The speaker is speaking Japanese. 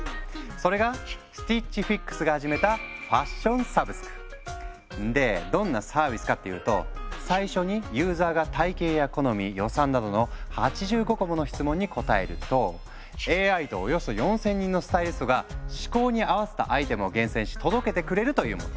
それがスティッチ・フィックスが始めたでどんなサービスかっていうと最初にユーザーが体型や好み予算などの８５個もの質問に答えるとＡＩとおよそ４，０００人のスタイリストが嗜好に合わせたアイテムを厳選し届けてくれるというもの。